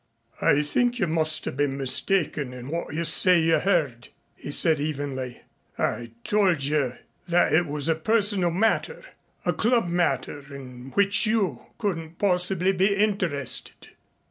"I think you must have been mistaken in what you say you heard," he said evenly. "I told you that it was a personal matter a club matter in which you couldn't possibly be interested."